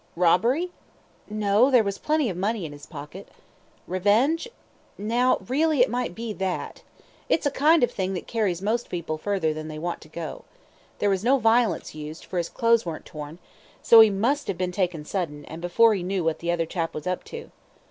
Robbery? No, there was plenty of money in his pocket. Revenge? Now, really it might be that it's a kind of thing that carries most people further than they want to go. There was no violence used, for his clothes weren't torn, so he must have been taken sudden, and before he knew what the other chap was up to.